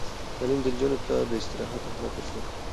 تعلیم نجونو ته د استراحت اهمیت ور زده کوي.